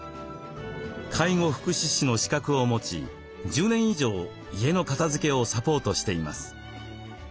介護福祉士の資格を持ち１０年以上家の片づけをサポートしています。